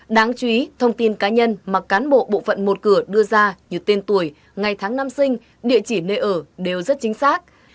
đáng chú ý thông tin cá nhân mà cán bộ bộ phận một cửa đưa ra như tên tuổi ngày tháng năm sinh địa chỉ nơi ở đều rất chính xác